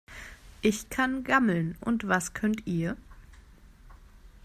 Ich kann gammeln. Und was könnt ihr?